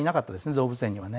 動物園にはね。